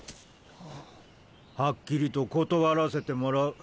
「はっきりと断らせてもらう。